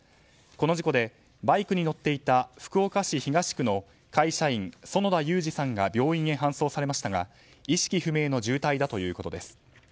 この事故でバイクに乗っていた福岡市東区の会社員・園田裕治さんが病院へ搬送されましたが意識不明の重体だということです。